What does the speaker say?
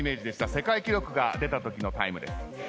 世界記録が出たときのタイムです。